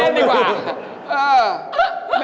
ถามพี่ปีเตอร์